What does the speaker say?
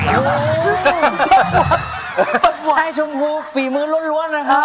ให้ชมฮูกฝีมื้อรวดนะครับ